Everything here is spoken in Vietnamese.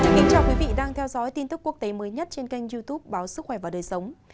xin chào quý vị đang theo dõi tin tức quốc tế mới nhất trên kênh youtube báo sức khỏe và đời sống